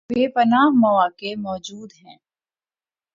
بے پناہ مواقع موجود ہیں